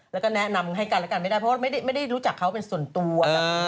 แล้วก็แนะนำให้กันแล้วกันไม่ได้เพราะว่าไม่ได้รู้จักเขาเป็นส่วนตัว